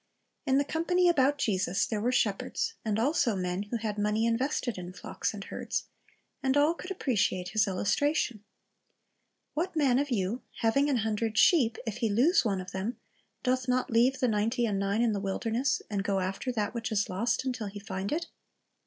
In the company about Jesus there were shepherds, and also men who had money invested in flocks and herds, and all could appreciate His illustration: "What man of yon, having an hundred sheep, if he lose one of them, doth not leav^e the ninety and nine in the wilderness, and go after that which is lost, until he find it?"